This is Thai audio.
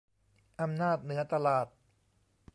อำนาจเหนือตลาด